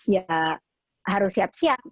ya harus siap siap